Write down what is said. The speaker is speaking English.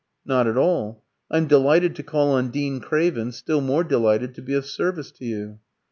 "Not at all. I'm delighted to call on Dean Craven, still more delighted to be of service to you."